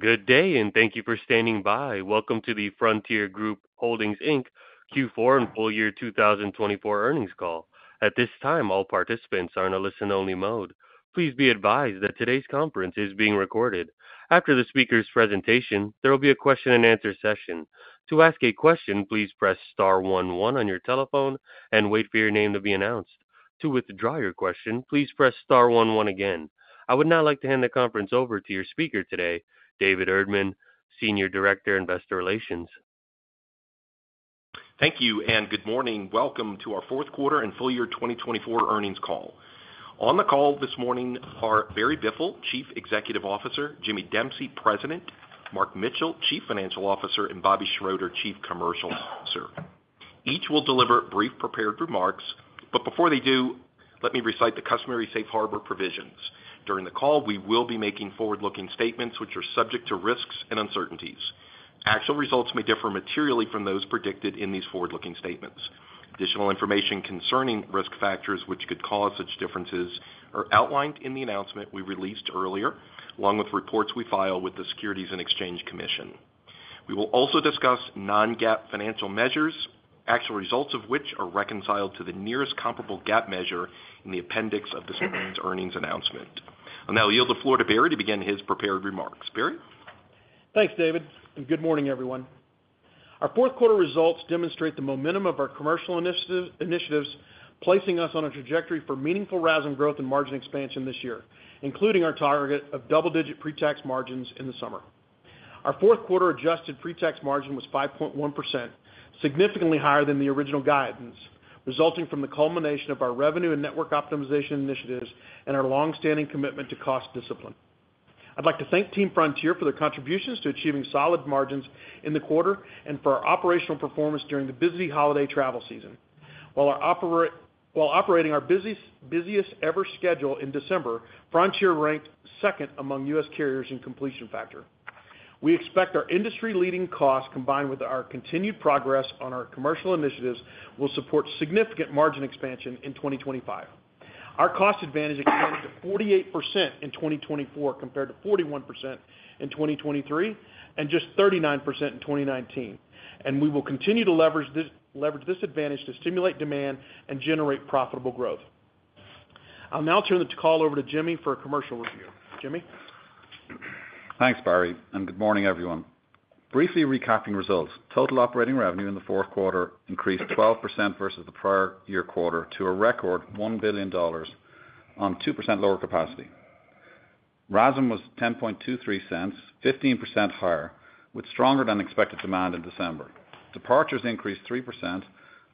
Good day, and thank you for standing by. Welcome to the Frontier Group Holdings Inc. Q4 and full year 2024 earnings call. At this time, all participants are in a listen-only mode. Please be advised that today's conference is being recorded. After the speaker's presentation, there will be a question-and-answer session. To ask a question, please press star one one on your telephone and wait for your name to be announced. To withdraw your question, please press star one one again. I would now like to hand the conference over to your speaker today, David Erdman, Senior Director, Investor Relations. Thank you, and good morning. Welcome to our fourth quarter and full year 2024 earnings call. On the call this morning are Barry Biffle, Chief Executive Officer, Jimmy Dempsey, President, Mark Mitchell, Chief Financial Officer, and Bobby Schroeter, Chief Commercial Officer. Each will deliver brief, prepared remarks, but before they do, let me recite the customary safe harbor provisions. During the call, we will be making forward-looking statements which are subject to risks and uncertainties. Actual results may differ materially from those predicted in these forward-looking statements. Additional information concerning risk factors which could cause such differences are outlined in the announcement we released earlier, along with reports we file with the Securities and Exchange Commission. We will also discuss non-GAAP financial measures, actual results of which are reconciled to the nearest comparable GAAP measure in the appendix of this morning's earnings announcement. I'll now yield the floor to Barry to begin his prepared remarks. Barry. Thanks, David, and good morning, everyone. Our fourth quarter results demonstrate the momentum of our commercial initiatives, placing us on a trajectory for meaningful rise in growth and margin expansion this year, including our target of double-digit pre-tax margins in the summer. Our fourth quarter adjusted pre-tax margin was 5.1%, significantly higher than the original guidance, resulting from the culmination of our revenue and network optimization initiatives and our longstanding commitment to cost discipline. I'd like to thank Team Frontier for their contributions to achieving solid margins in the quarter and for our operational performance during the busy holiday travel season. While operating our busiest ever schedule in December, Frontier ranked second among U.S. carriers in completion factor. We expect our industry-leading costs, combined with our continued progress on our commercial initiatives, will support significant margin expansion in 2025. Our cost advantage extended to 48% in 2024 compared to 41% in 2023 and just 39% in 2019, and we will continue to leverage this advantage to stimulate demand and generate profitable growth. I'll now turn the call over to Jimmy for a commercial review. Jimmy. Thanks, Barry, and good morning, everyone. Briefly recapping results, total operating revenue in the fourth quarter increased 12% versus the prior year quarter to a record $1 billion on 2% lower capacity. RASM was $0.1023, 15% higher, with stronger-than-expected demand in December. Departures increased 3%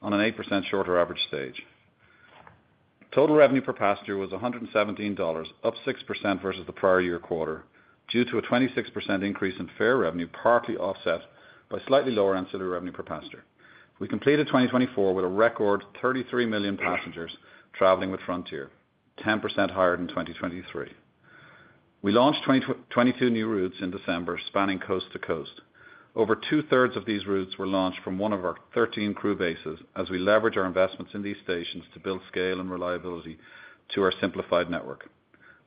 on an 8% shorter average stage. Total revenue per passenger was $117, up 6% versus the prior year quarter, due to a 26% increase in fare revenue partly offset by slightly lower ancillary revenue per passenger. We completed 2024 with a record 33 million passengers traveling with Frontier, 10% higher than 2023. We launched 22 new routes in December, spanning coast to coast. Over two-thirds of these routes were launched from one of our 13 crew bases as we leverage our investments in these stations to build scale and reliability to our simplified network.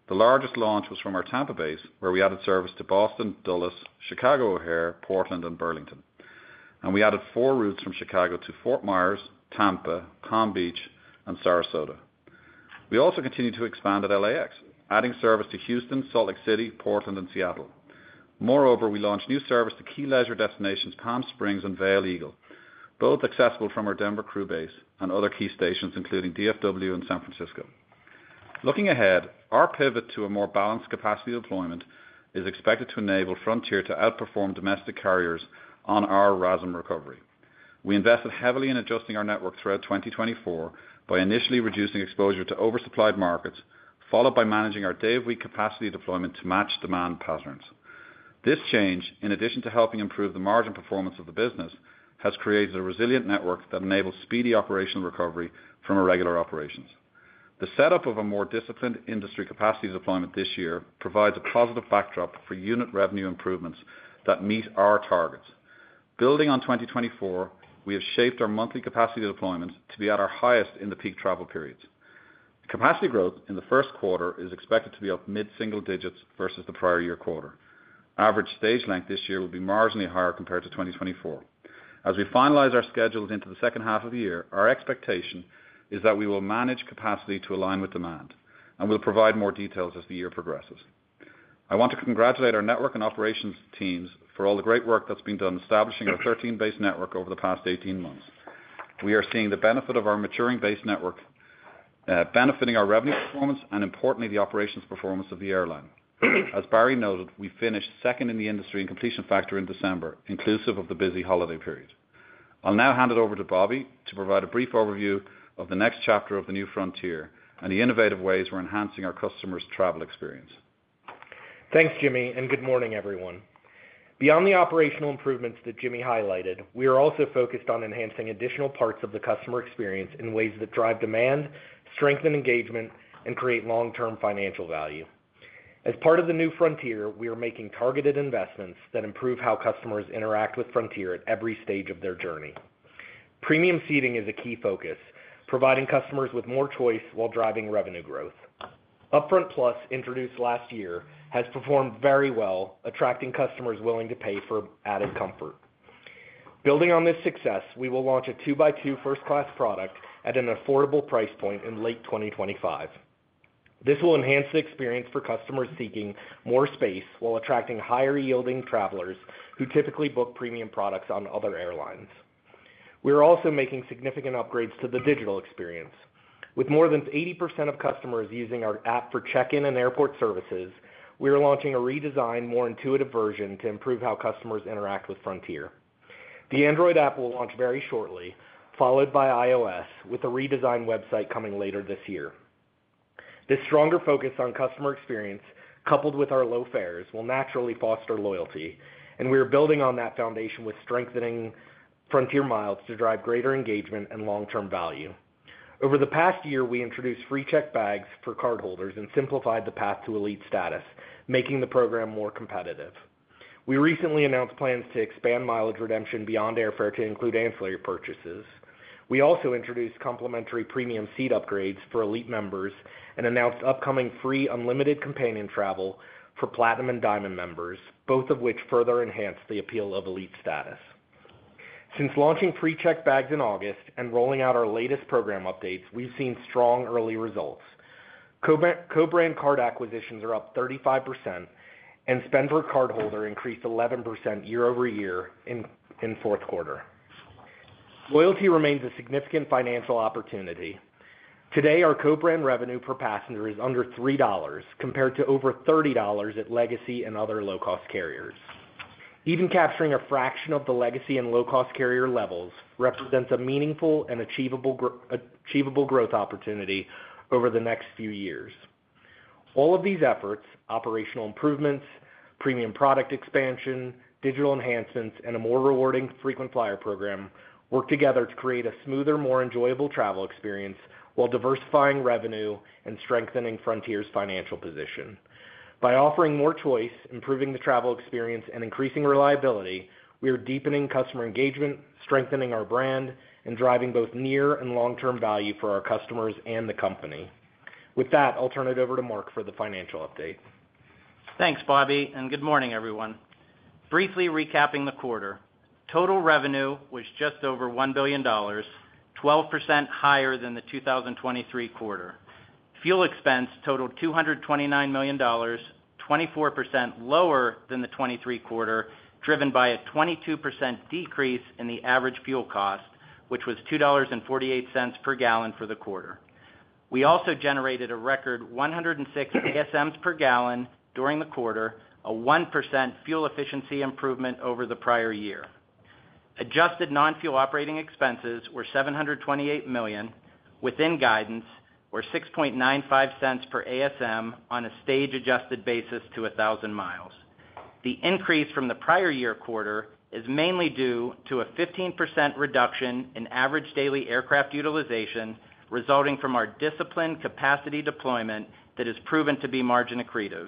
The largest launch was from our Tampa base, where we added service to Boston, Dulles, Chicago O'Hare, Portland, and Burlington, and we added four routes from Chicago to Fort Myers, Tampa, Palm Beach, and Sarasota. We also continued to expand at LAX, adding service to Houston, Salt Lake City, Portland, and Seattle. Moreover, we launched new service to key leisure destinations Palm Springs and Vail Eagle, both accessible from our Denver crew base and other key stations, including DFW and San Francisco. Looking ahead, our pivot to a more balanced capacity deployment is expected to enable Frontier to outperform domestic carriers on our RASM recovery. We invested heavily in adjusting our network throughout 2024 by initially reducing exposure to oversupplied markets, followed by managing our day-of-week capacity deployment to match demand patterns. This change, in addition to helping improve the margin performance of the business, has created a resilient network that enables speedy operational recovery from irregular operations. The setup of a more disciplined industry capacity deployment this year provides a positive backdrop for unit revenue improvements that meet our targets. Building on 2024, we have shaped our monthly capacity deployments to be at our highest in the peak travel periods. Capacity growth in the first quarter is expected to be up mid-single digits versus the prior year quarter. Average stage length this year will be marginally higher compared to 2024. As we finalize our schedules into the second half of the year, our expectation is that we will manage capacity to align with demand, and we'll provide more details as the year progresses. I want to congratulate our network and operations teams for all the great work that's been done establishing our 13-base network over the past 18 months. We are seeing the benefit of our maturing base network benefiting our revenue performance and, importantly, the operations performance of the airline. As Barry noted, we finished second in the industry in completion factor in December, inclusive of the busy holiday period. I'll now hand it over to Bobby to provide a brief overview of the next chapter of the new Frontier and the innovative ways we're enhancing our customers' travel experience. Thanks, Jimmy, and good morning, everyone. Beyond the operational improvements that Jimmy highlighted, we are also focused on enhancing additional parts of the customer experience in ways that drive demand, strengthen engagement, and create long-term financial value. As part of the new Frontier, we are making targeted investments that improve how customers interact with Frontier at every stage of their journey. Premium seating is a key focus, providing customers with more choice while driving revenue growth. UpFront Plus, introduced last year, has performed very well, attracting customers willing to pay for added comfort. Building on this success, we will launch a two-by-two first-class product at an affordable price point in late 2025. This will enhance the experience for customers seeking more space while attracting higher-yielding travelers who typically book premium products on other airlines. We are also making significant upgrades to the digital experience. With more than 80% of customers using our app for check-in and airport services, we are launching a redesigned, more intuitive version to improve how customers interact with Frontier. The Android app will launch very shortly, followed by iOS, with a redesigned website coming later this year. This stronger focus on customer experience, coupled with our low fares, will naturally foster loyalty, and we are building on that foundation with strengthening Frontier Miles to drive greater engagement and long-term value. Over the past year, we introduced free checked bags for cardholders and simplified the path to elite status, making the program more competitive. We recently announced plans to expand mileage redemption beyond airfare to include ancillary purchases. We also introduced complimentary premium seat upgrades for elite members and announced upcoming free unlimited companion travel for Platinum and Diamond members, both of which further enhance the appeal of elite status. Since launching free checked bags in August and rolling out our latest program updates, we've seen strong early results. Co-brand card acquisitions are up 35%, and spend for cardholder increased 11% year-over-year in fourth quarter. Loyalty remains a significant financial opportunity. Today, our co-brand revenue per passenger is under $3, compared to over $30 at legacy and other low-cost carriers. Even capturing a fraction of the legacy and low-cost carrier levels represents a meaningful and achievable growth opportunity over the next few years. All of these efforts, operational improvements, premium product expansion, digital enhancements, and a more rewarding frequent flyer program, work together to create a smoother, more enjoyable travel experience while diversifying revenue and strengthening Frontier's financial position. By offering more choice, improving the travel experience, and increasing reliability, we are deepening customer engagement, strengthening our brand, and driving both near and long-term value for our customers and the company. With that, I'll turn it over to Mark for the financial update. Thanks, Bobby, and good morning, everyone. Briefly recapping the quarter, total revenue was just over $1 billion, 12% higher than the 2023 quarter. Fuel expense totaled $229 million, 24% lower than the 2023 quarter, driven by a 22% decrease in the average fuel cost, which was $2.48 per gallon for the quarter. We also generated a record 106 ASMs per gallon during the quarter, a 1% fuel efficiency improvement over the prior year. Adjusted non-fuel operating expenses were $728 million. Within guidance, we're $0.0695 per ASM on a stage-adjusted basis to 1,000 miles. The increase from the prior year quarter is mainly due to a 15% reduction in average daily aircraft utilization, resulting from our disciplined capacity deployment that has proven to be margin accretive.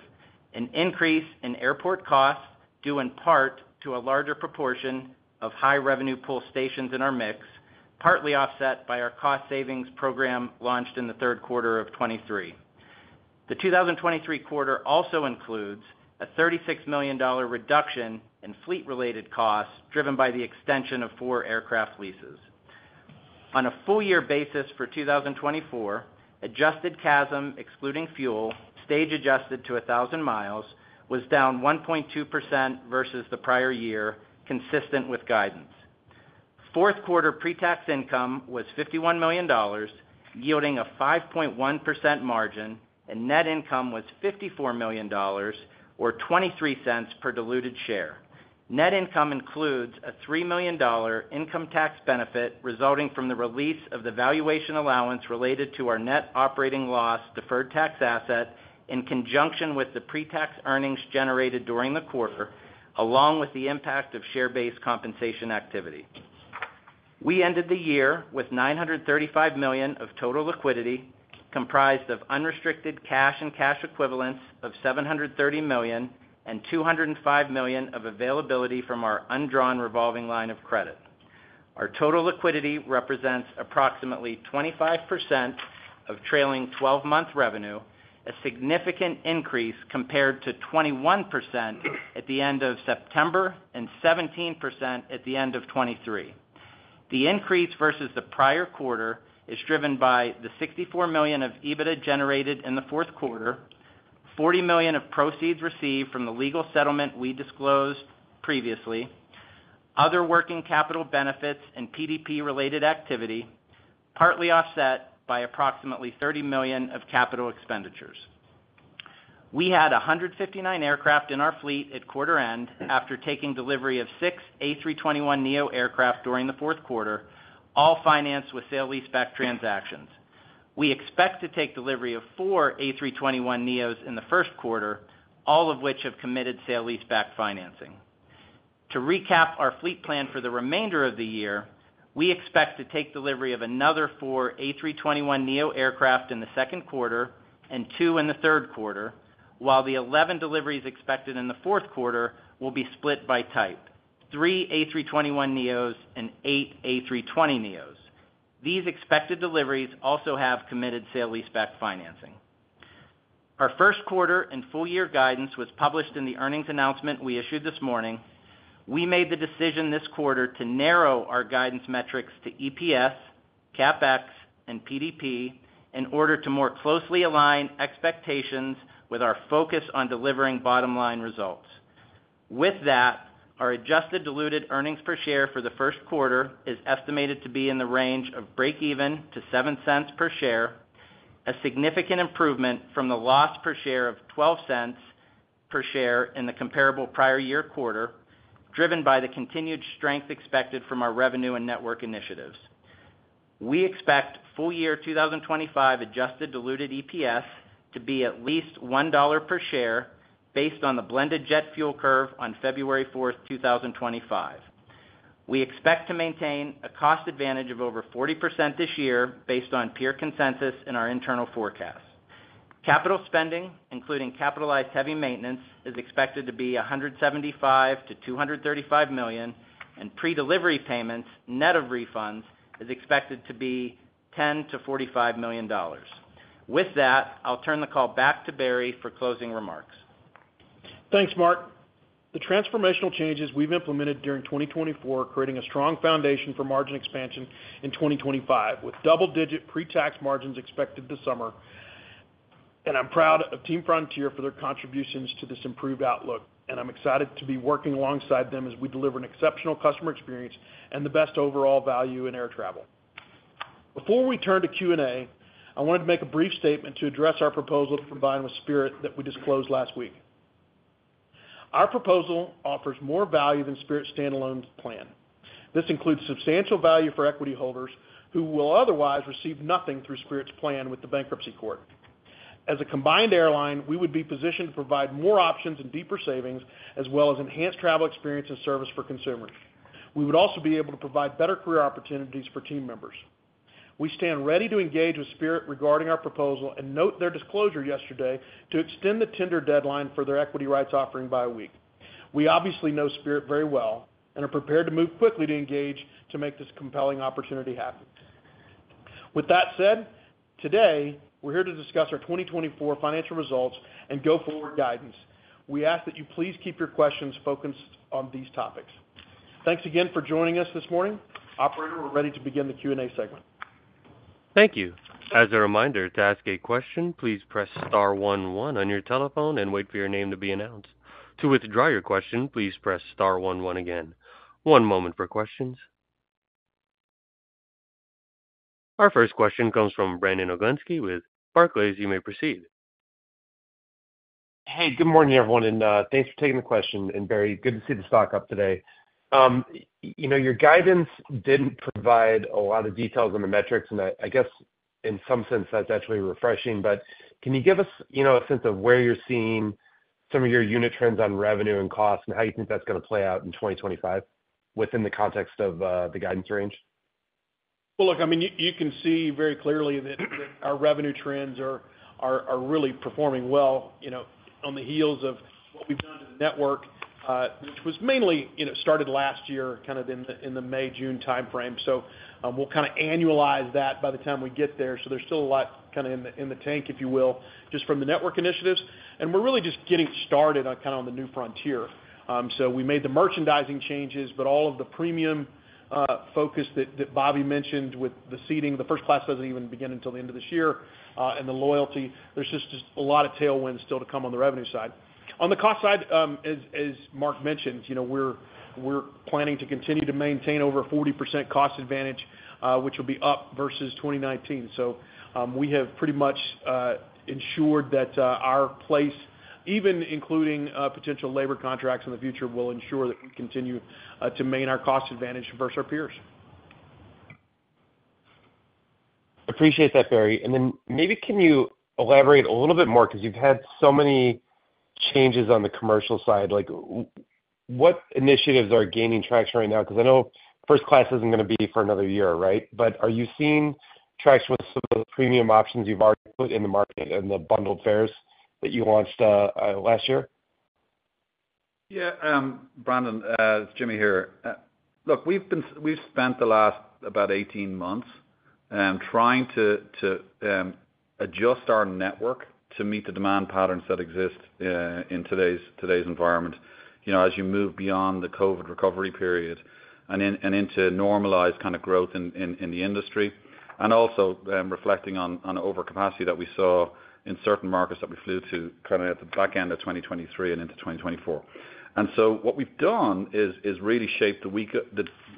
An increase in airport costs due in part to a larger proportion of high-revenue pull stations in our mix, partly offset by our cost savings program launched in the third quarter of 2023. The 2023 quarter also includes a $36 million reduction in fleet-related costs driven by the extension of four aircraft leases. On a full-year basis for 2024, adjusted CASM, excluding fuel, stage-adjusted to 1,000 miles, was down 1.2% versus the prior year, consistent with guidance. Fourth quarter pre-tax income was $51 million, yielding a 5.1% margin, and net income was $54 million, or $0.23 per diluted share. Net income includes a $3 million income tax benefit resulting from the release of the valuation allowance related to our net operating loss deferred tax asset in conjunction with the pre-tax earnings generated during the quarter, along with the impact of share-based compensation activity. We ended the year with $935 million of total liquidity, comprised of unrestricted cash and cash equivalents of $730 million and $205 million of availability from our undrawn revolving line of credit. Our total liquidity represents approximately 25% of trailing 12-month revenue, a significant increase compared to 21% at the end of September and 17% at the end of 2023. The increase versus the prior quarter is driven by the $64 million of EBITDA generated in the fourth quarter, $40 million of proceeds received from the legal settlement we disclosed previously, other working capital benefits, and PDP-related activity, partly offset by approximately $30 million of capital expenditures. We had 159 aircraft in our fleet at quarter end after taking delivery of six A321neo aircraft during the fourth quarter, all financed with sale-leaseback transactions. We expect to take delivery of four A321neos in the first quarter, all of which have committed sale-leaseback financing. To recap our fleet plan for the remainder of the year, we expect to take delivery of another four A321neo aircraft in the second quarter and two in the third quarter, while the 11 deliveries expected in the fourth quarter will be split by type: three A321neos and eight A320neos. These expected deliveries also have committed sale-leaseback financing. Our first quarter and full-year guidance was published in the earnings announcement we issued this morning. We made the decision this quarter to narrow our guidance metrics to EPS, CAPEX, and PDP in order to more closely align expectations with our focus on delivering bottom-line results. With that, our adjusted diluted earnings per share for the first quarter is estimated to be in the range of break-even to $0.07 per share, a significant improvement from the loss per share of $0.12 per share in the comparable prior year quarter, driven by the continued strength expected from our revenue and network initiatives. We expect full-year 2025 adjusted diluted EPS to be at least $1 per share based on the blended jet fuel curve on February 4th, 2025. We expect to maintain a cost advantage of over 40% this year based on peer consensus in our internal forecast. Capital spending, including capitalized heavy maintenance, is expected to be $175 million-$235 million, and pre-delivery payments, net of refunds, is expected to be $10 million-$45 million. With that, I'll turn the call back to Barry for closing remarks. Thanks, Mark. The transformational changes we've implemented during 2024 are creating a strong foundation for margin expansion in 2025, with double-digit pre-tax margins expected this summer. I'm proud of Team Frontier for their contributions to this improved outlook, and I'm excited to be working alongside them as we deliver an exceptional customer experience and the best overall value in air travel. Before we turn to Q&A, I wanted to make a brief statement to address our proposal from Frontier with Spirit that we disclosed last week. Our proposal offers more value than Spirit's standalone plan. This includes substantial value for equity holders who will otherwise receive nothing through Spirit's plan with the bankruptcy court. As a combined airline, we would be positioned to provide more options and deeper savings, as well as enhanced travel experience and service for consumers. We would also be able to provide better career opportunities for team members. We stand ready to engage with Spirit regarding our proposal and note their disclosure yesterday to extend the tender deadline for their equity rights offering by a week. We obviously know Spirit very well and are prepared to move quickly to engage to make this compelling opportunity happen. With that said, today, we're here to discuss our 2024 financial results and go forward guidance. We ask that you please keep your questions focused on these topics. Thanks again for joining us this morning. Operator, we're ready to begin the Q&A segment. Thank you. As a reminder, to ask a question, please press star one one on your telephone and wait for your name to be announced. To withdraw your question, please press star one one again. One moment for questions. Our first question comes from Brandon Oglenski with Barclays. You may proceed. Hey, good morning, everyone, and thanks for taking the question. And Barry, good to see the stock up today. Your guidance didn't provide a lot of details on the metrics, and I guess in some sense, that's actually refreshing. But can you give us a sense of where you're seeing some of your unit trends on revenue and cost and how you think that's going to play out in 2025 within the context of the guidance range? Look, I mean, you can see very clearly that our revenue trends are really performing well on the heels of what we've done to the network, which was mainly started last year, kind of in the May, June timeframe. So we'll kind of annualize that by the time we get there. So there's still a lot kind of in the tank, if you will, just from the network initiatives. And we're really just getting started kind of on the new frontier. So we made the merchandising changes, but all of the premium focus that Bobby mentioned with the seating, the first class doesn't even begin until the end of this year, and the loyalty, there's just a lot of tailwinds still to come on the revenue side. On the cost side, as Mark mentioned, we're planning to continue to maintain over 40% cost advantage, which will be up versus 2019. So we have pretty much ensured that our place, even including potential labor contracts in the future, will ensure that we continue to maintain our cost advantage versus our peers. Appreciate that, Barry, and then maybe can you elaborate a little bit more because you've had so many changes on the commercial side? What initiatives are gaining traction right now? Because I know first class isn't going to be for another year, right? But are you seeing traction with some of the premium options you've already put in the market and the bundled fares that you launched last year? Yeah, Brandon, it's Jimmy here. Look, we've spent the last about 18 months trying to adjust our network to meet the demand patterns that exist in today's environment as you move beyond the COVID recovery period and into normalized kind of growth in the industry, and also reflecting on overcapacity that we saw in certain markets that we flew to kind of at the back end of 2023 and into 2024. And so what we've done is really shape the week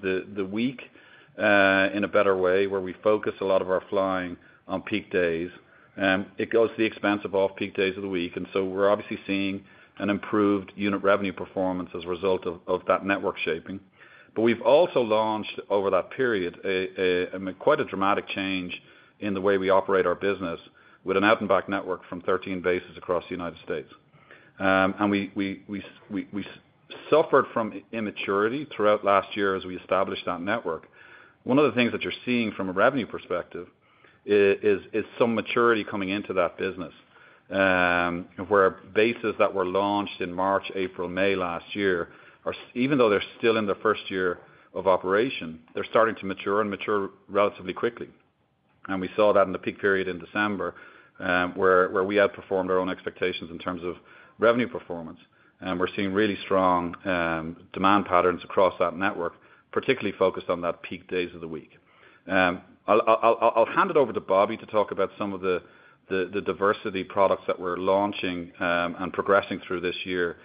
in a better way where we focus a lot of our flying on peak days. It goes to the expense of off-peak days of the week. And so we're obviously seeing an improved unit revenue performance as a result of that network shaping. But we've also launched over that period quite a dramatic change in the way we operate our business with an out-and-back network from 13 bases across the United States. And we suffered from immaturity throughout last year as we established that network. One of the things that you're seeing from a revenue perspective is some maturity coming into that business where bases that were launched in March, April, May last year, even though they're still in their first year of operation, they're starting to mature and mature relatively quickly. And we saw that in the peak period in December where we outperformed our own expectations in terms of revenue performance. And we're seeing really strong demand patterns across that network, particularly focused on that peak days of the week. I'll hand it over to Bobby to talk about some of the diverse products that we're launching and progressing through this year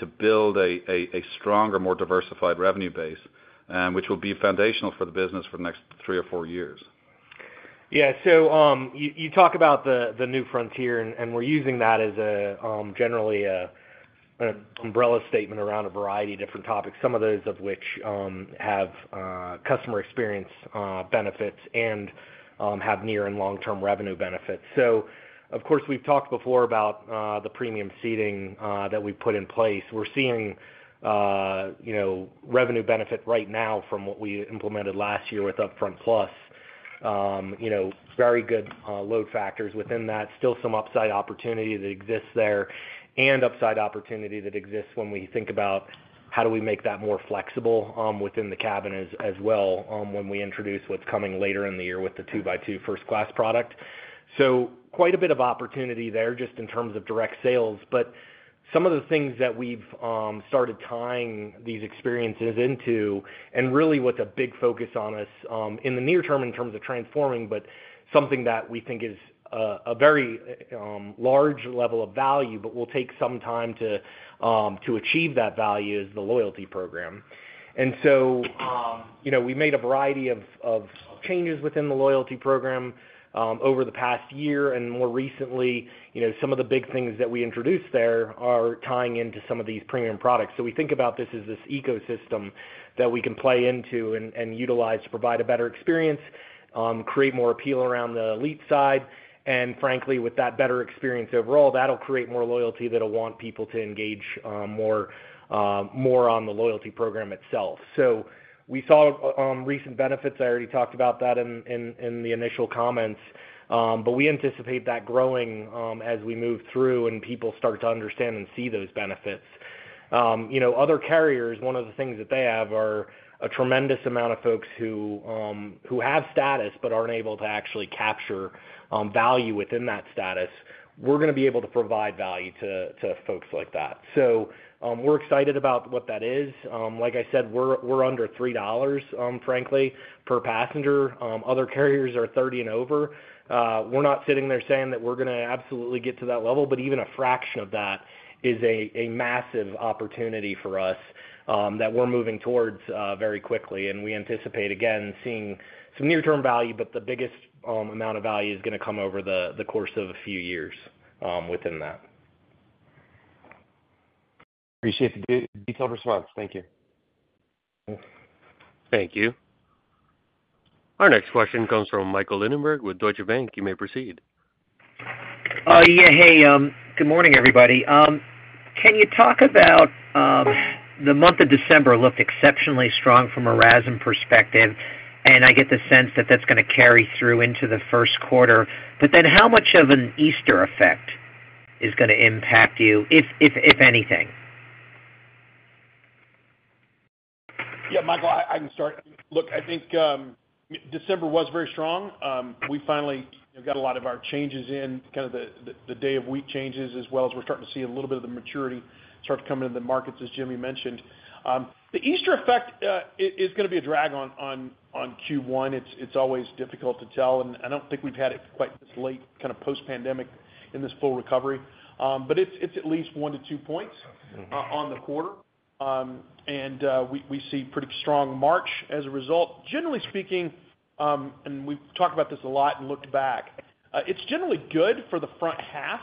to build a stronger, more diversified revenue base, which will be foundational for the business for the next three or four years. Yeah. So you talk about the New Frontier, and we're using that as generally an umbrella statement around a variety of different topics, some of those of which have customer experience benefits and have near and long-term revenue benefits. So, of course, we've talked before about the premium seating that we've put in place. We're seeing revenue benefit right now from what we implemented last year with UpFront Plus, very good load factors within that, still some upside opportunity that exists there, and upside opportunity that exists when we think about how do we make that more flexible within the cabin as well when we introduce what's coming later in the year with the two-by-two first-class product. So quite a bit of opportunity there just in terms of direct sales. But some of the things that we've started tying these experiences into, and really with a big focus on us in the near term in terms of transforming, but something that we think is a very large level of value, but will take some time to achieve that value, is the loyalty program. And so we made a variety of changes within the loyalty program over the past year. And more recently, some of the big things that we introduced there are tying into some of these premium products. So we think about this as this ecosystem that we can play into and utilize to provide a better experience, create more appeal around the elite side. And frankly, with that better experience overall, that'll create more loyalty that'll want people to engage more on the loyalty program itself. So we saw recent benefits. I already talked about that in the initial comments, but we anticipate that growing as we move through and people start to understand and see those benefits. Other carriers, one of the things that they have are a tremendous amount of folks who have status but aren't able to actually capture value within that status. We're going to be able to provide value to folks like that. So we're excited about what that is. Like I said, we're under $3, frankly, per passenger. Other carriers are $30 and over. We're not sitting there saying that we're going to absolutely get to that level, but even a fraction of that is a massive opportunity for us that we're moving towards very quickly, and we anticipate, again, seeing some near-term value, but the biggest amount of value is going to come over the course of a few years within that. Appreciate the detailed response. Thank you. Thank you. Our next question comes from Michael Linenberg with Deutsche Bank. You may proceed. Yeah. Hey, good morning, everybody. Can you talk about the month of December looked exceptionally strong from a RASM perspective, and I get the sense that that's going to carry through into the first quarter. But then how much of an Easter effect is going to impact you, if anything? Yeah, Michael, I can start. Look, I think December was very strong. We finally got a lot of our changes in, kind of the day-of-week changes, as well as we're starting to see a little bit of the maturity start to come into the markets, as Jimmy mentioned. The Easter effect is going to be a drag on Q1. It's always difficult to tell, and I don't think we've had it quite this late kind of post-pandemic in this full recovery, but it's at least one to two points on the quarter, and we see pretty strong March as a result. Generally speaking, and we've talked about this a lot and looked back, it's generally good for the front half,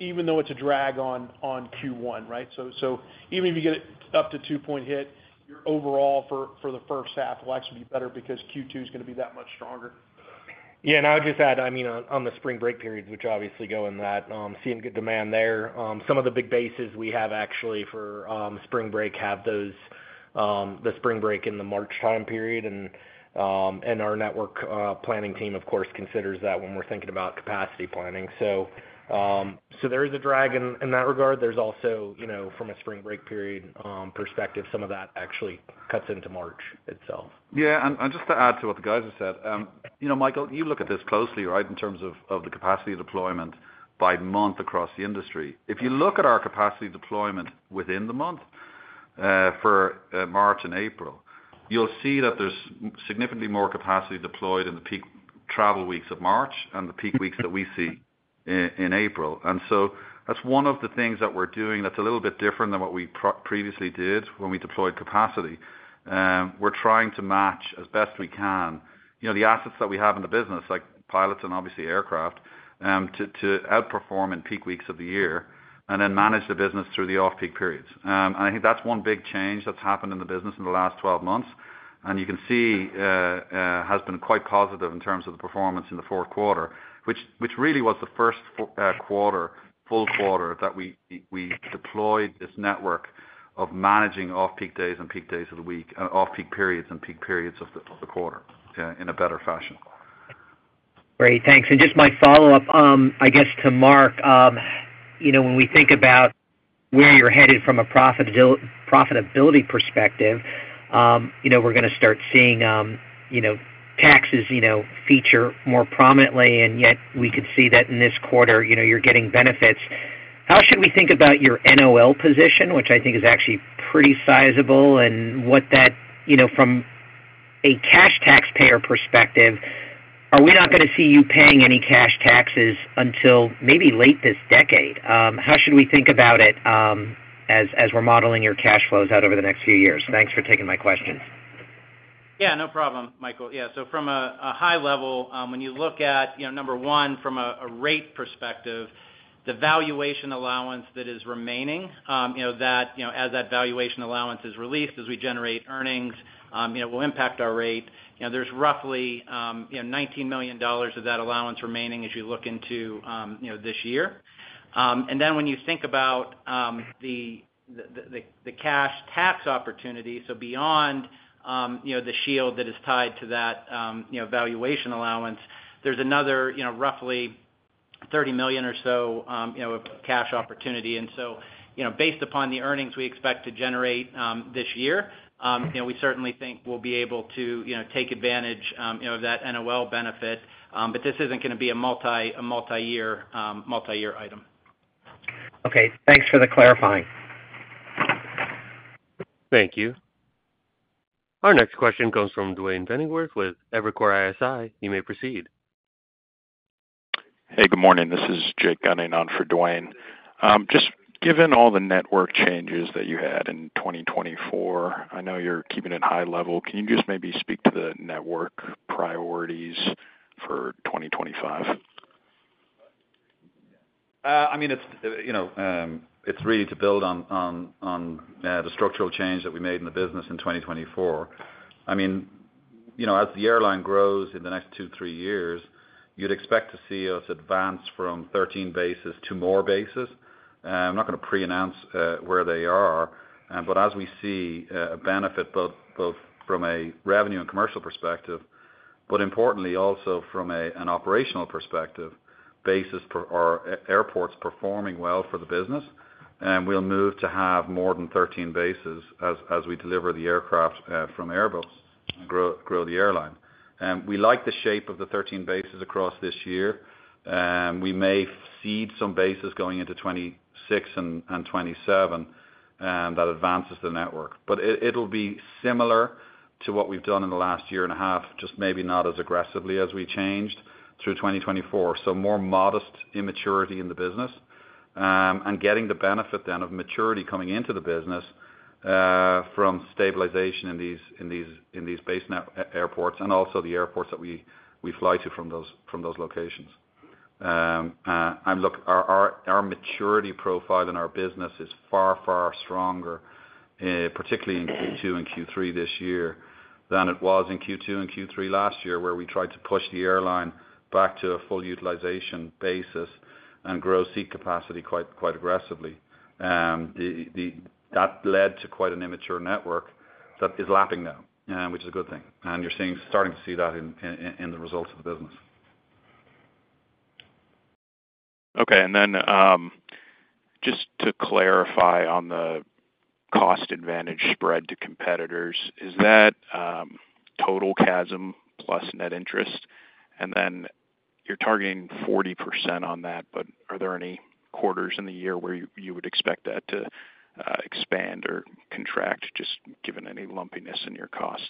even though it's a drag on Q1, right? So even if you get it up to two-point hit, your overall for the first half will actually be better because Q2 is going to be that much stronger. Yeah. And I'll just add, I mean, on the spring break period, which obviously goes into that, seeing good demand there. Some of the big bases we have actually for spring break have the spring break in the March time period. And our network planning team, of course, considers that when we're thinking about capacity planning. So there is a drag in that regard. There's also, from a spring break period perspective, some of that actually cuts into March itself. Yeah. And just to add to what the guys have said, Michael, you look at this closely, right, in terms of the capacity deployment by month across the industry. If you look at our capacity deployment within the month for March and April, you'll see that there's significantly more capacity deployed in the peak travel weeks of March and the peak weeks that we see in April. And so that's one of the things that we're doing that's a little bit different than what we previously did when we deployed capacity. We're trying to match as best we can the assets that we have in the business, like pilots and obviously aircraft, to outperform in peak weeks of the year and then manage the business through the off-peak periods. And I think that's one big change that's happened in the business in the last 12 months. You can see has been quite positive in terms of the performance in the fourth quarter, which really was the first full quarter that we deployed this network of managing off-peak days and peak days of the week and off-peak periods and peak periods of the quarter in a better fashion. Great. Thanks. And just my follow-up, I guess to Mark, when we think about where you're headed from a profitability perspective, we're going to start seeing taxes feature more prominently. And yet we could see that in this quarter, you're getting benefits. How should we think about your NOL position, which I think is actually pretty sizable? And from a cash taxpayer perspective, are we not going to see you paying any cash taxes until maybe late this decade? How should we think about it as we're modeling your cash flows out over the next few years? Thanks for taking my questions. Yeah, no problem, Michael. Yeah. So from a high level, when you look at number one, from a rate perspective, the valuation allowance that is remaining, that as that valuation allowance is released, as we generate earnings, will impact our rate. There's roughly $19 million of that allowance remaining as you look into this year. And then when you think about the cash tax opportunity, so beyond the shield that is tied to that valuation allowance, there's another roughly $30 million or so of cash opportunity. And so based upon the earnings we expect to generate this year, we certainly think we'll be able to take advantage of that NOL benefit. But this isn't going to be a multi-year item. Okay. Thanks for the clarifying. Thank you. Our next question comes from Duane Pfennigwerth with Evercore ISI. You may proceed. Hey, good morning. This is Jake Gunning on for Duane. Just given all the network changes that you had in 2024, I know you're keeping it high level. Can you just maybe speak to the network priorities for 2025? I mean, it's really to build on the structural change that we made in the business in 2024. I mean, as the airline grows in the next two, three years, you'd expect to see us advance from 13 bases to more bases. I'm not going to pre-announce where they are, but as we see a benefit both from a revenue and commercial perspective, but importantly also from an operational perspective, bases or airports performing well for the business, we'll move to have more than 13 bases as we deliver the aircraft from Airbus and grow the airline. We like the shape of the 13 bases across this year. We may seed some bases going into 2026 and 2027 that advances the network, but it'll be similar to what we've done in the last year and a half, just maybe not as aggressively as we changed through 2024. So more modest immaturity in the business and getting the benefit then of maturity coming into the business from stabilization in these base airports and also the airports that we fly to from those locations. And look, our maturity profile in our business is far, far stronger, particularly in Q2 and Q3 this year than it was in Q2 and Q3 last year where we tried to push the airline back to a full utilization basis and grow seat capacity quite aggressively. That led to quite an immature network that is lapping now, which is a good thing. And you're starting to see that in the results of the business. Okay. And then just to clarify on the cost advantage spread to competitors, is that total CASM plus net interest? And then you're targeting 40% on that, but are there any quarters in the year where you would expect that to expand or contract, just given any lumpiness in your costs?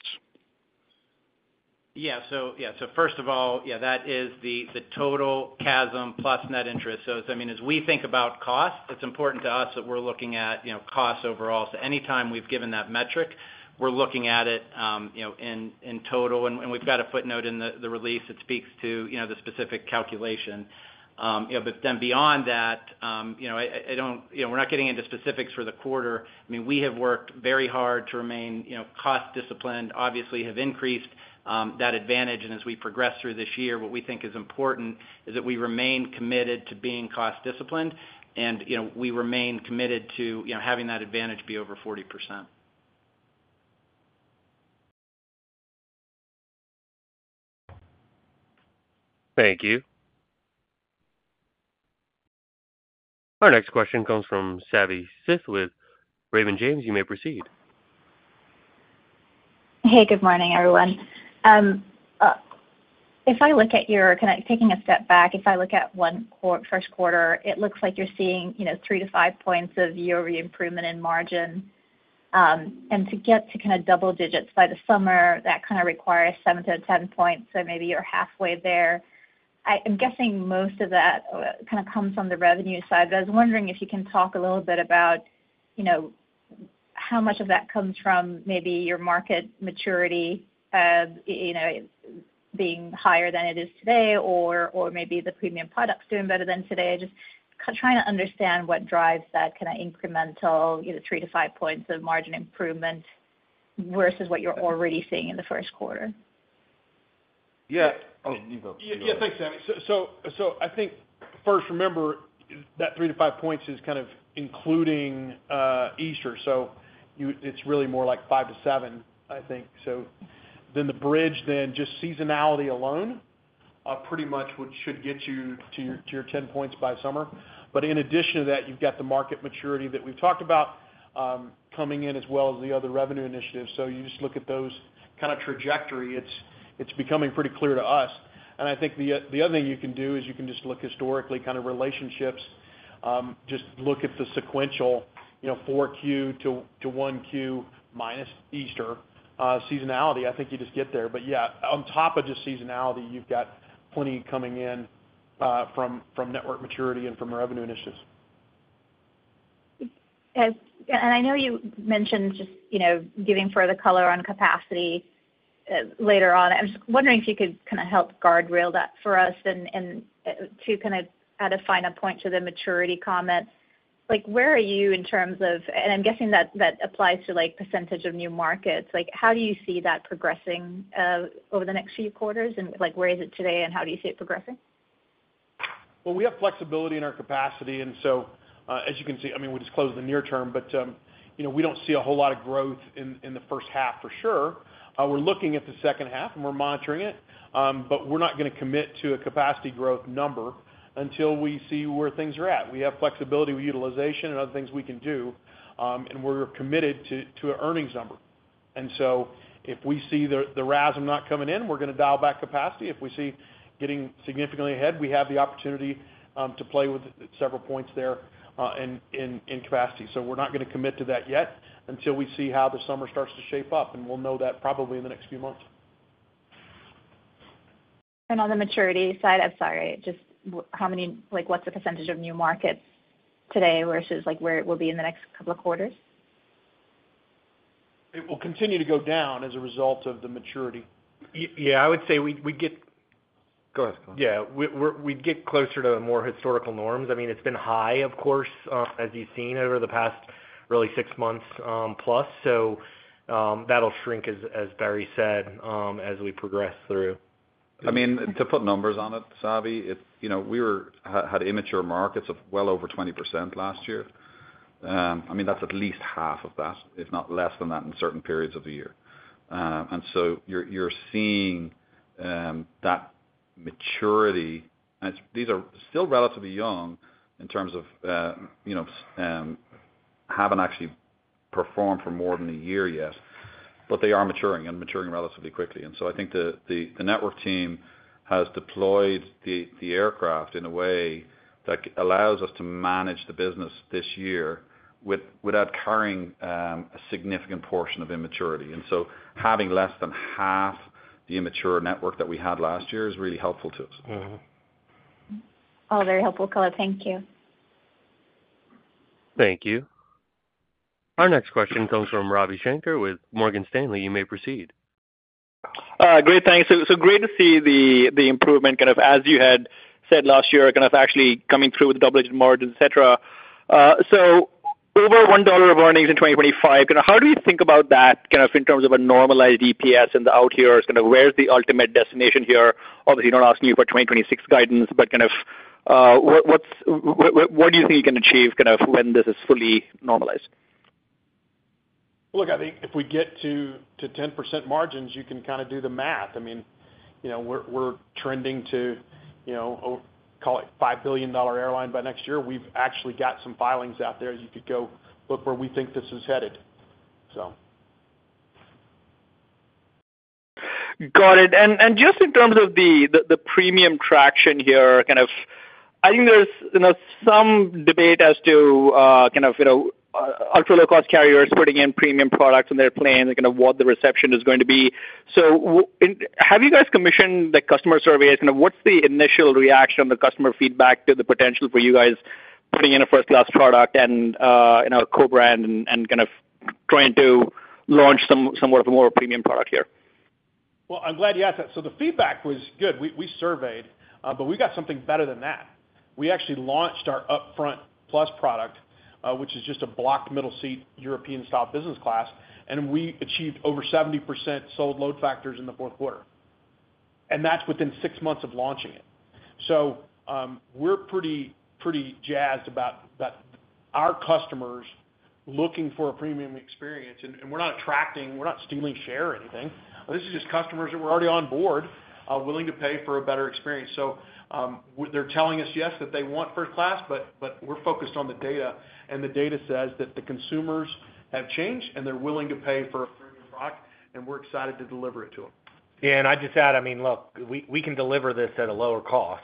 Yeah. So first of all, that is the total CASM plus net interest. So I mean, as we think about cost, it's important to us that we're looking at cost overall. So anytime we've given that metric, we're looking at it in total. And we've got a footnote in the release that speaks to the specific calculation. But then beyond that, we're not getting into specifics for the quarter. I mean, we have worked very hard to remain cost-disciplined. Obviously, we have increased that advantage. And as we progress through this year, what we think is important is that we remain committed to being cost-disciplined, and we remain committed to having that advantage be over 40%. Thank you. Our next question comes from Savi Syth with Raymond James. You may proceed. Hey, good morning, everyone. If I look at yours kind of taking a step back, if I look at one first quarter, it looks like you're seeing three to five points of yearly improvement in margin, and to get to kind of double digits by the summer, that kind of requires 7 to 10 points, so maybe you're halfway there. I'm guessing most of that kind of comes from the revenue side, but I was wondering if you can talk a little bit about how much of that comes from maybe your market maturity being higher than it is today or maybe the premium products doing better than today. Just trying to understand what drives that kind of incremental three to five points of margin improvement versus what you're already seeing in the first quarter. Yeah. Oh, you go. Yeah. Thanks, Savvy. So I think first, remember that 3 to 5 points is kind of including Easter. So it's really more like five to seven, I think. So then the bridge, then just seasonality alone pretty much should get you to your 10 points by summer. But in addition to that, you've got the market maturity that we've talked about coming in as well as the other revenue initiatives. So you just look at those kind of trajectory. It's becoming pretty clear to us. And I think the other thing you can do is you can just look historically kind of relationships, just look at the sequential 4Q to 1Q minus Easter seasonality. I think you just get there. But yeah, on top of just seasonality, you've got plenty coming in from network maturity and from revenue initiatives. And I know you mentioned just giving further color on capacity later on. I'm just wondering if you could kind of help guardrail that for us and to kind of add a final point to the maturity comment. Where are you in terms of and I'm guessing that applies to percentage of new markets. How do you see that progressing over the next few quarters? And where is it today, and how do you see it progressing? We have flexibility in our capacity. So as you can see, I mean, we just closed the near term, but we don't see a whole lot of growth in the first half for sure. We're looking at the second half, and we're monitoring it. We're not going to commit to a capacity growth number until we see where things are at. We have flexibility with utilization and other things we can do. We're committed to an earnings number. So if we see the RASM not coming in, we're going to dial back capacity. If we see getting significantly ahead, we have the opportunity to play with several points there in capacity. We're not going to commit to that yet until we see how the summer starts to shape up. We'll know that probably in the next few months. On the maturity side, I'm sorry, just how many what's the percentage of new markets today versus where it will be in the next couple of quarters? It will continue to go down as a result of the maturity. Yeah. I would say we get. Go ahead. Yeah. We'd get closer to more historical norms. I mean, it's been high, of course, as you've seen over the past really six months plus. So that'll shrink, as Barry said, as we progress through. I mean, to put numbers on it, Savi, we had immature markets of well over 20% last year. I mean, that's at least half of that, if not less than that in certain periods of the year. And so you're seeing that maturity. And these are still relatively young in terms of haven't actually performed for more than a year yet, but they are maturing and maturing relatively quickly. And so I think the network team has deployed the aircraft in a way that allows us to manage the business this year without carrying a significant portion of immaturity. And so having less than half the immature network that we had last year is really helpful to us. All very helpful color. Thank you. Thank you. Our next question comes from Ravi Shanker with Morgan Stanley. You may proceed. Great. Thanks. So great to see the improvement kind of as you had said last year, kind of actually coming through with double-digit margins, etc. So over $1 of earnings in 2025, kind of how do you think about that kind of in terms of a normalized EPS and the outlook here? Kind of where's the ultimate destination here? Obviously, not asking you for 2026 guidance, but kind of what do you think you can achieve kind of when this is fully normalized? Look, I think if we get to 10% margins, you can kind of do the math. I mean, we're trending to call it $5 billion airline by next year. We've actually got some filings out there as you could go look where we think this is headed, so. Got it. And just in terms of the premium traction here, kind of I think there's some debate as to kind of ultra-low-cost carriers putting in premium products on their planes and kind of what the reception is going to be. So have you guys commissioned the customer surveys? Kind of what's the initial reaction on the customer feedback to the potential for you guys putting in a first-class product and a co-brand and kind of trying to launch somewhat of a more premium product here? I'm glad you asked that. So the feedback was good. We surveyed, but we got something better than that. We actually launched our UpFront Plus product, which is just a blocked middle seat European-style business class. And we achieved over 70% sold load factors in the fourth quarter. And that's within six months of launching it. So we're pretty jazzed about our customers looking for a premium experience. And we're not stealing share or anything. This is just customers that were already on board willing to pay for a better experience. So they're telling us, yes, that they want first class, but we're focused on the data. And the data says that the consumers have changed, and they're willing to pay for a premium product. And we're excited to deliver it to them. Yeah, and I just add, I mean, look, we can deliver this at a lower cost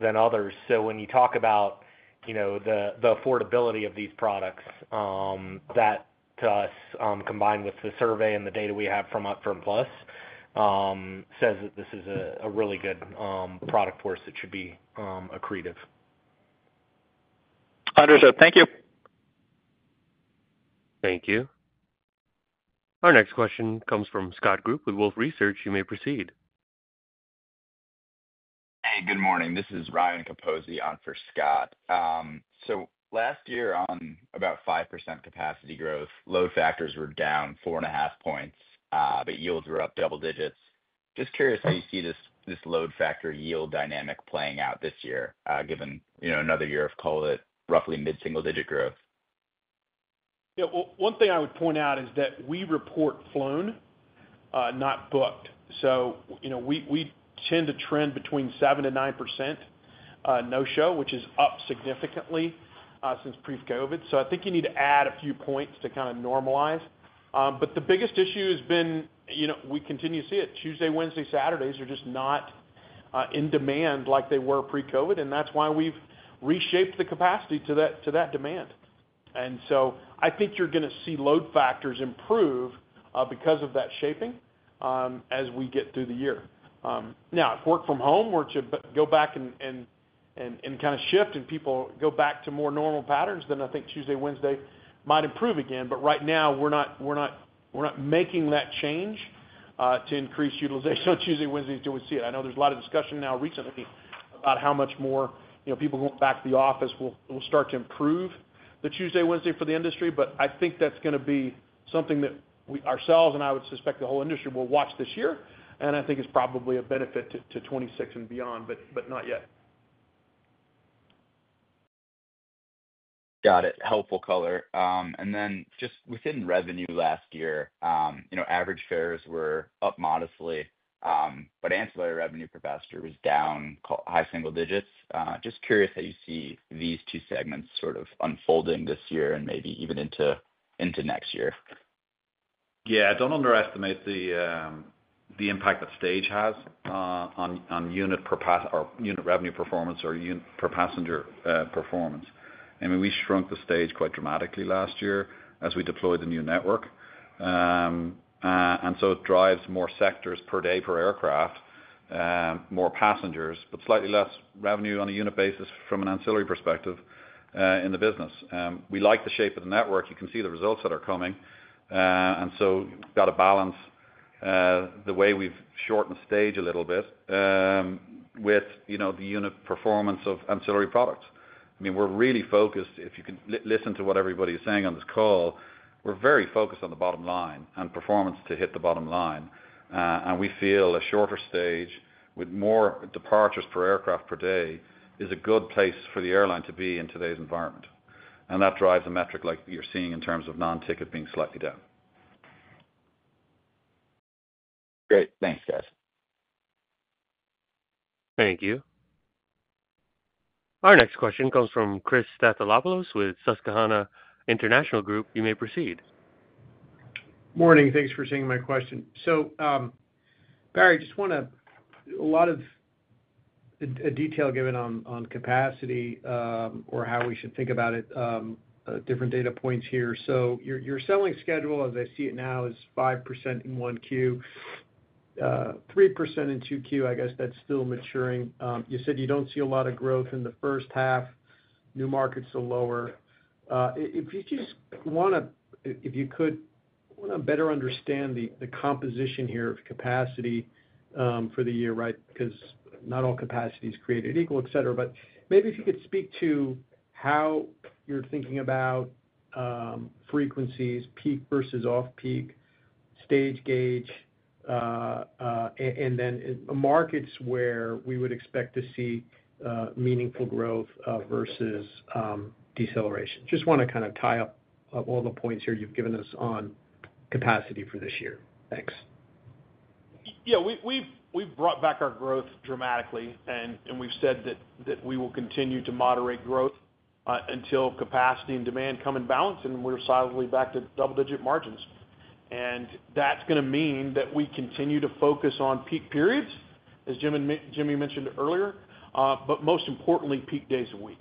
than others, so when you talk about the affordability of these products, that to us, combined with the survey and the data we have from UpFront Plus, says that this is a really good product for us that should be accretive. Understood. Thank you. Thank you. Our next question comes from Scott Group with Wolfe Research. You may proceed. Hey, good morning. This is Ryan Capozzi on for Scott. So last year on about 5% capacity growth, load factors were down four and a half points, but yields were up double digits. Just curious how you see this load factor yield dynamic playing out this year given another year of, call it, roughly mid-single-digit growth. Yeah. Well, one thing I would point out is that we report flown, not booked. So we tend to trend between 7% to 9% no-show, which is up significantly since pre-COVID. So I think you need to add a few points to kind of normalize. But the biggest issue has been we continue to see it. Tuesday, Wednesday, Saturdays are just not in demand like they were pre-COVID. And that's why we've reshaped the capacity to that demand. And so I think you're going to see load factors improve because of that shaping as we get through the year. Now, if work from home were to go back and kind of shift and people go back to more normal patterns, then I think Tuesday, Wednesday might improve again. But right now, we're not making that change to increase utilization on Tuesday, Wednesday until we see it. I know there's a lot of discussion now recently about how much more people going back to the office will start to improve the Tuesday, Wednesday for the industry. But I think that's going to be something that ourselves and I would suspect the whole industry will watch this year, and I think it's probably a benefit to 2026 and beyond, but not yet. Got it. Helpful color. And then just within revenue last year, average fares were up modestly, but ancillary revenue per passenger was down high single digits. Just curious how you see these two segments sort of unfolding this year and maybe even into next year. Yeah. Don't underestimate the impact that stage has on unit per pass or unit revenue performance or unit per passenger performance. I mean, we shrunk the stage quite dramatically last year as we deployed the new network. And so it drives more sectors per day per aircraft, more passengers, but slightly less revenue on a unit basis from an ancillary perspective in the business. We like the shape of the network. You can see the results that are coming. And so we've got to balance the way we've shortened the stage a little bit with the unit performance of ancillary products. I mean, we're really focused, if you can listen to what everybody is saying on this call, we're very focused on the bottom line and performance to hit the bottom line. We feel a shorter stage with more departures per aircraft per day is a good place for the airline to be in today's environment. That drives a metric like you're seeing in terms of non-ticket being slightly down. Great. Thanks, guys. Thank you. Our next question comes from Christopher Stathoulopoulos with Susquehanna International Group. You may proceed. Morning. Thanks for taking my question. So Barry, just wanted a lot of detail given on capacity or how we should think about it, different data points here. So your selling schedule, as I see it now, is 5% in Q1, 3% in Q2. I guess that's still maturing. You said you don't see a lot of growth in the first half. New markets are lower. If you could better understand the composition here of capacity for the year, right, because not all capacity is created equal, etc., but maybe if you could speak to how you're thinking about frequencies, peak versus off-peak, stage, gauge, and then markets where we would expect to see meaningful growth versus deceleration. Just want to kind of tie up all the points here you've given us on capacity for this year. Thanks. Yeah. We've brought back our growth dramatically, and we've said that we will continue to moderate growth until capacity and demand come in balance, and we're solidly back to double-digit margins, and that's going to mean that we continue to focus on peak periods, as Jimmy mentioned earlier, but most importantly, peak days a week,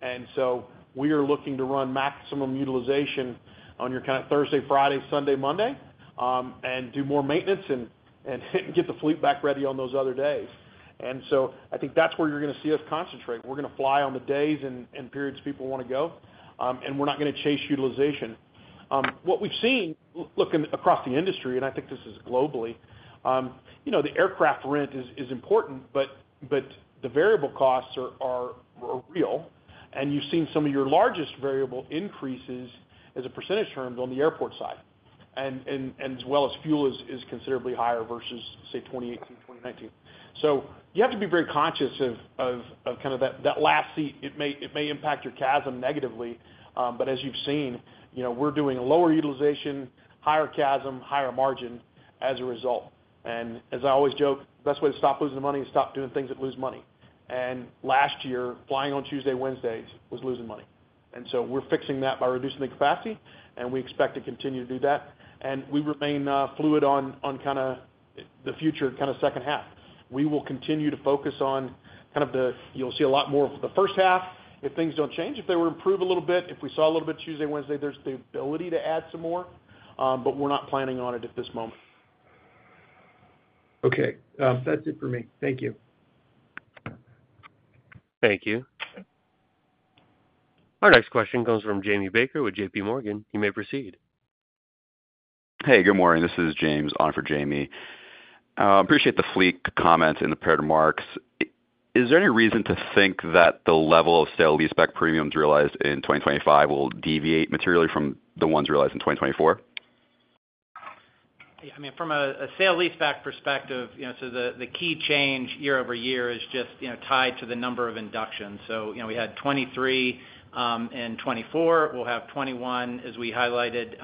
and so we are looking to run maximum utilization on your kind of Thursday, Friday, Sunday, Monday, and do more maintenance and get the fleet back ready on those other days, and so I think that's where you're going to see us concentrate. We're going to fly on the days and periods people want to go, and we're not going to chase utilization. What we've seen looking across the industry, and I think this is globally, the aircraft rent is important, but the variable costs are real. And you've seen some of your largest variable increases as a percentage term on the airport side, as well as fuel is considerably higher versus, say, 2018, 2019. So you have to be very conscious of kind of that last seat. It may impact your CASM negatively. But as you've seen, we're doing lower utilization, higher CASM, higher margin as a result. And as I always joke, the best way to stop losing money is stop doing things that lose money. And last year, flying on Tuesday, Wednesdays was losing money. And so we're fixing that by reducing the capacity. And we expect to continue to do that. And we remain fluid on kind of the future kind of second half. We will continue to focus on kind of the. You'll see a lot more of the first half if things don't change, if they were to improve a little bit, if we saw a little bit Tuesday, Wednesday. There's the ability to add some more. But we're not planning on it at this moment. Okay. That's it for me. Thank you. Thank you. Our next question comes from Jamie Baker with J.P. Morgan. You may proceed. Hey, good morning. This is James on for Jamie. Appreciate the fleet comments and the parent remarks. Is there any reason to think that the level of sale-leaseback premiums realized in 2025 will deviate materially from the ones realized in 2024? Yeah. I mean, from a sale-leaseback perspective, so the key change year-over-year is just tied to the number of inductions. So we had 23 in 2024. We'll have 21, as we highlighted,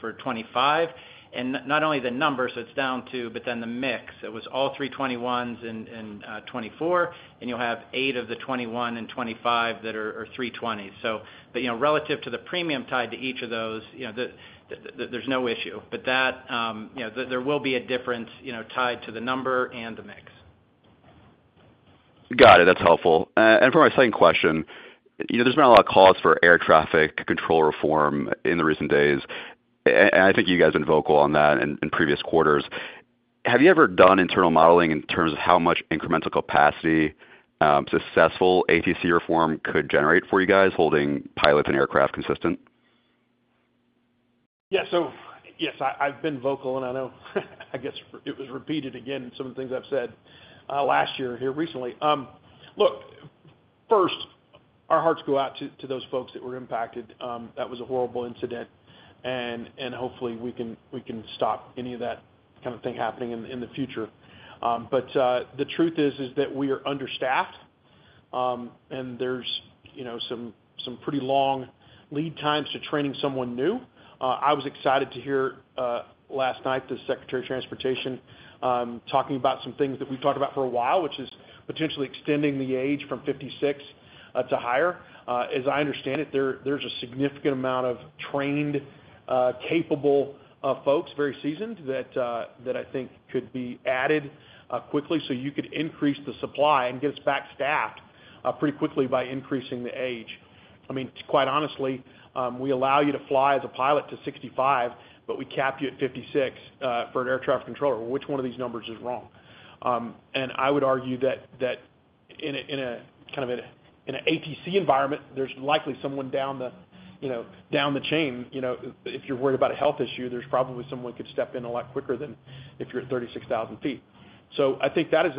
for 2025. And not only the number, so it's down to, but then the mix. It was all 321s in 2024. And you'll have eight of the 21 in 2025 that are 320s. But relative to the premium tied to each of those, there's no issue. But there will be a difference tied to the number and the mix. Got it. That's helpful. And for our second question, there's been a lot of calls for air traffic control reform in the recent days. And I think you guys have been vocal on that in previous quarters. Have you ever done internal modeling in terms of how much incremental capacity successful ATC reform could generate for you guys, holding pilots and aircraft consistent? Yeah. So yes, I've been vocal, and I know, I guess, it was repeated again in some of the things I've said last year here recently. Look, first, our hearts go out to those folks that were impacted. That was a horrible incident, and hopefully, we can stop any of that kind of thing happening in the future, but the truth is that we are understaffed, and there's some pretty long lead times to training someone new. I was excited to hear last night the Secretary of Transportation talking about some things that we've talked about for a while, which is potentially extending the age from 56 to higher. As I understand it, there's a significant amount of trained, capable folks, very seasoned, that I think could be added quickly so you could increase the supply and get us back staffed pretty quickly by increasing the age. I mean, quite honestly, we allow you to fly as a pilot to 65, but we cap you at 56 for an air traffic controller. Which one of these numbers is wrong? And I would argue that in a kind of an ATC environment, there's likely someone down the chain. If you're worried about a health issue, there's probably someone who could step in a lot quicker than if you're at 36,000 feet. So I think that is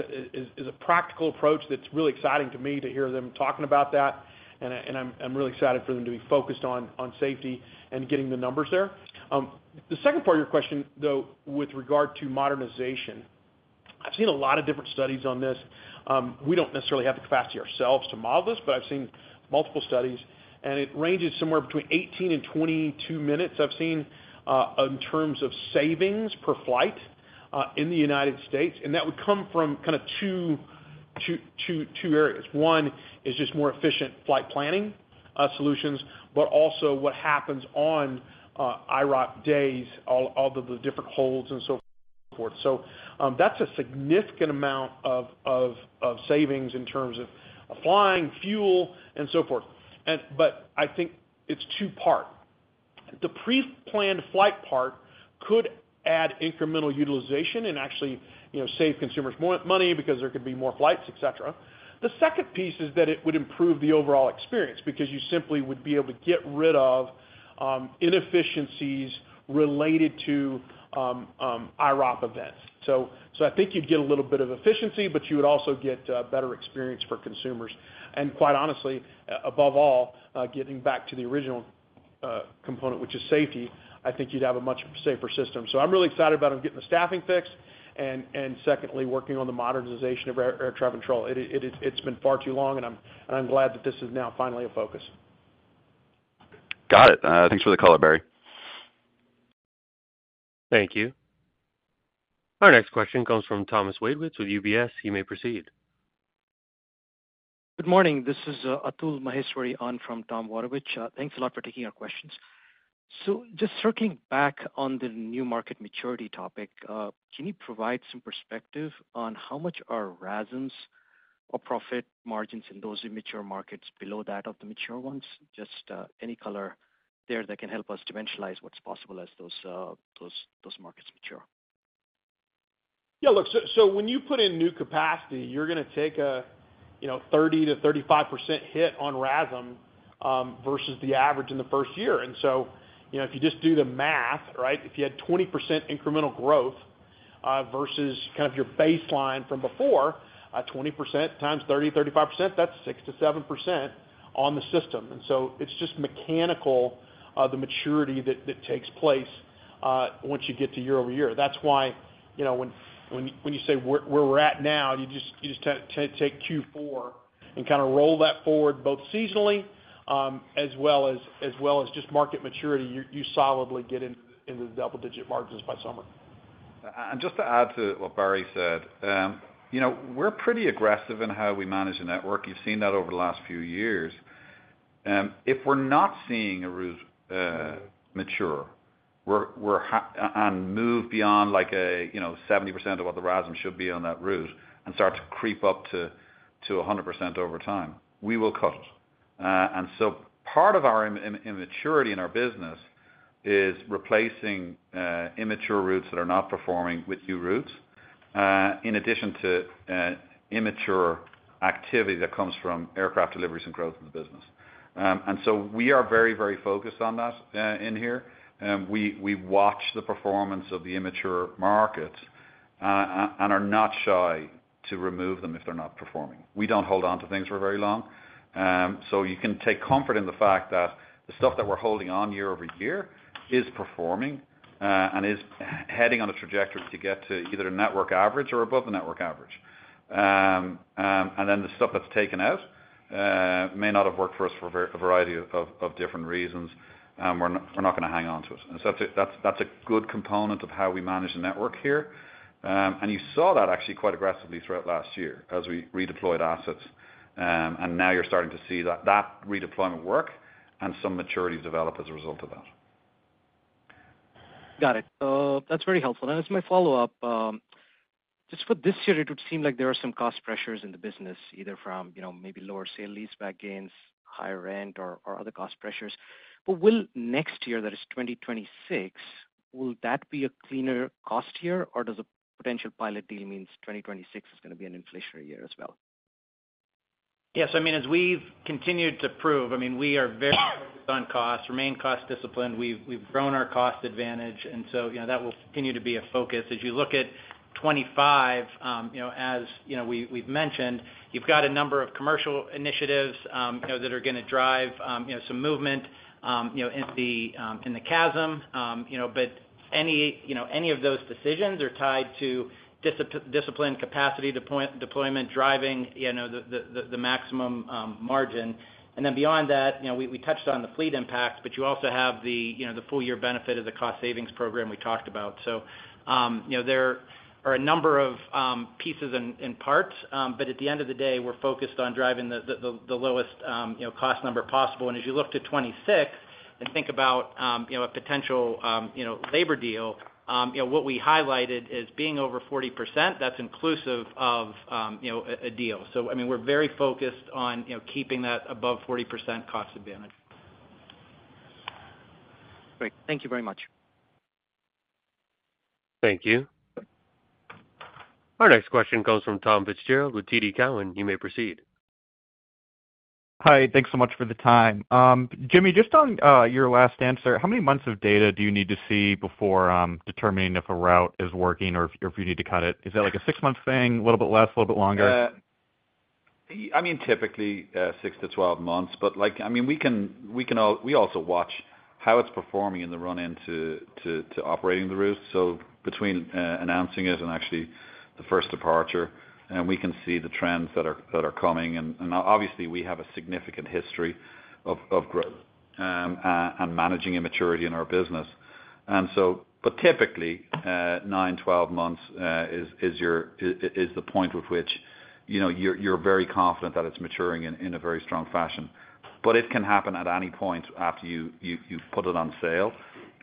a practical approach that's really exciting to me to hear them talking about that. And I'm really excited for them to be focused on safety and getting the numbers there. The second part of your question, though, with regard to modernization, I've seen a lot of different studies on this. We don't necessarily have the capacity ourselves to model this, but I've seen multiple studies. It ranges somewhere between 18 and 22 minutes I've seen in terms of savings per flight in the United States. That would come from kind of two areas. One is just more efficient flight planning solutions, but also what happens on IROP days, all of the different holds and so forth. That's a significant amount of savings in terms of flying, fuel, and so forth. I think it's two-part. The pre-planned flight part could add incremental utilization and actually save consumers more money because there could be more flights, etc. The second piece is that it would improve the overall experience because you simply would be able to get rid of inefficiencies related to IROP events. I think you'd get a little bit of efficiency, but you would also get better experience for consumers. Quite honestly, above all, getting back to the original component, which is safety, I think you'd have a much safer system. I'm really excited about them getting the staffing fixed and, secondly, working on the modernization of air traffic control. It's been far too long. I'm glad that this is now finally a focus. Got it. Thanks for the call, Barry. Thank you. Our next question comes from Thomas Wadewitz with UBS. You may proceed. Good morning. This is Atul Maheswari on for Tom Wadewitz. Thanks a lot for taking our questions. So just circling back on the new market maturity topic, can you provide some perspective on how much are RASM or profit margins in those immature markets below that of the mature ones? Just any color there that can help us dimensionalize what's possible as those markets mature. Yeah. Look, so when you put in new capacity, you're going to take a 30%-35% hit on RASM versus the average in the first year, and so if you just do the math, right, if you had 20% incremental growth versus kind of your baseline from before, 20% times 30%-35%, that's 6%-7% on the system, and so it's just mechanical, the maturity that takes place once you get to year-over-year. That's why when you say where we're at now, you just tend to take Q4 and kind of roll that forward both seasonally as well as just market maturity. You solidly get into the double-digit margins by summer. And just to add to what Barry said, we're pretty aggressive in how we manage the network. You've seen that over the last few years. If we're not seeing a route mature and move beyond like 70% of what the RASM should be on that route and start to creep up to 100% over time, we will cut it. And so part of our immaturity in our business is replacing immature routes that are not performing with new routes in addition to immature activity that comes from aircraft deliveries and growth in the business. And so we are very, very focused on that in here. We watch the performance of the immature markets and are not shy to remove them if they're not performing. We don't hold on to things for very long. So you can take comfort in the fact that the stuff that we're holding on year-over-year is performing and is heading on a trajectory to get to either a network average or above the network average. And then the stuff that's taken out may not have worked for us for a variety of different reasons. We're not going to hang on to it. And so that's a good component of how we manage the network here. And you saw that actually quite aggressively throughout last year as we redeployed assets. And now you're starting to see that redeployment work and some maturity develop as a result of that. Got it. That's very helpful. And as my follow-up, just for this year, it would seem like there are some cost pressures in the business, either from maybe lower sale-leaseback gains, higher rent, or other cost pressures. But next year, that is 2026, will that be a cleaner cost year? Or does a potential pilot deal mean 2026 is going to be an inflationary year as well? Yeah. So I mean, as we've continued to prove, I mean, we are very focused on cost, remain cost-disciplined. We've grown our cost advantage, and so that will continue to be a focus. As you look at 2025, as we've mentioned, you've got a number of commercial initiatives that are going to drive some movement in the CASM. But any of those decisions are tied to discipline, capacity deployment, driving the maximum margin. And then beyond that, we touched on the fleet impact, but you also have the full-year benefit of the cost savings program we talked about. So there are a number of pieces and parts. But at the end of the day, we're focused on driving the lowest cost number possible. And as you look to 2026 and think about a potential labor deal, what we highlighted is being over 40%. That's inclusive of a deal. I mean, we're very focused on keeping that above 40% cost advantage. Great. Thank you very much. Thank you. Our next question comes from Tom Fitzgerald with TD Cowen. You may proceed. Hi. Thanks so much for the time. Jimmy, just on your last answer, how many months of data do you need to see before determining if a route is working or if you need to cut it? Is that like a six-month thing, a little bit less, a little bit longer? I mean, typically six to 12 months. But I mean, we also watch how it's performing in the run-in to operating the route. So between announcing it and actually the first departure, we can see the trends that are coming. And obviously, we have a significant history of growth and managing immaturity in our business. But typically, nine, 12 months is the point with which you're very confident that it's maturing in a very strong fashion. But it can happen at any point after you put it on sale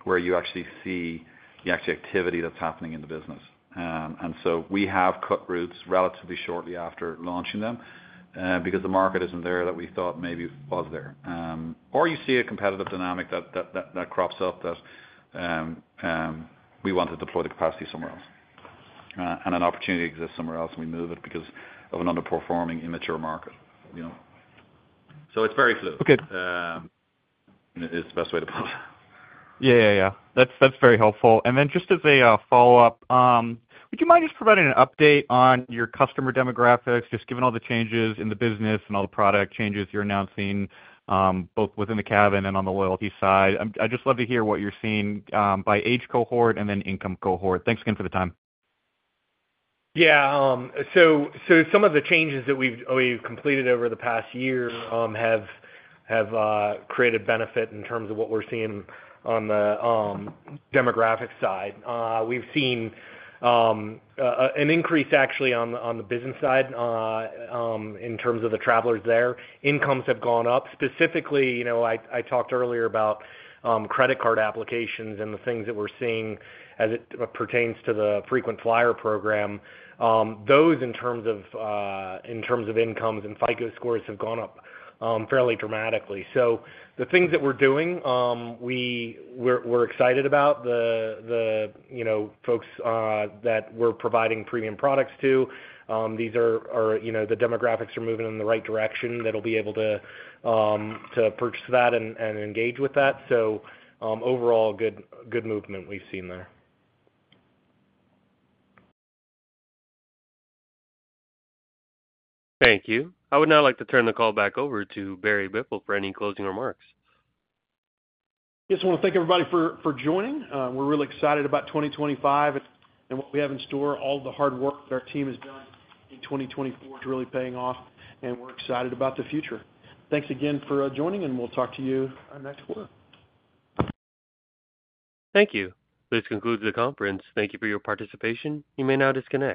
where you actually see the actual activity that's happening in the business. And so we have cut routes relatively shortly after launching them because the market isn't there that we thought maybe was there. Or you see a competitive dynamic that crops up that we want to deploy the capacity somewhere else. An opportunity exists somewhere else, and we move it because of an underperforming immature market. It's very fluid. It's the best way to put it. Yeah, yeah, yeah. That's very helpful. And then just as a follow-up, would you mind just providing an update on your customer demographics, just given all the changes in the business and all the product changes you're announcing, both within the cabin and on the loyalty side? I'd just love to hear what you're seeing by age cohort and then income cohort. Thanks again for the time. Yeah. So some of the changes that we've completed over the past year have created benefit in terms of what we're seeing on the demographic side. We've seen an increase actually on the business side in terms of the travelers there. Incomes have gone up. Specifically, I talked earlier about credit card applications and the things that we're seeing as it pertains to the frequent flyer program. Those, in terms of incomes and FICO scores, have gone up fairly dramatically. So the things that we're doing, we're excited about the folks that we're providing premium products to. These are the demographics are moving in the right direction that'll be able to purchase that and engage with that. So overall, good movement we've seen there. Thank you. I would now like to turn the call back over to Barry Biffle for any closing remarks. Yes. I want to thank everybody for joining. We're really excited about 2025 and what we have in store. All the hard work that our team has done in 2024 is really paying off. And we're excited about the future. Thanks again for joining. And we'll talk to you next week. Thank you. This concludes the conference. Thank you for your participation. You may now disconnect.